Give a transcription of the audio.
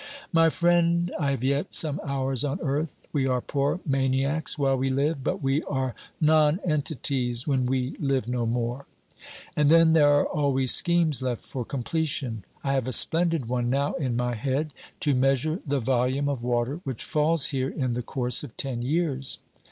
My friend, I have yet some hours on earth. We are poor maniacs while we live, but we are nonentities when we live no more. And then there are always schemes left for completion. I have a splendid one now in my head — to measure the volume of water which falls here in the course of ten years.